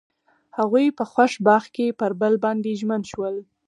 هغوی په خوښ باغ کې پر بل باندې ژمن شول.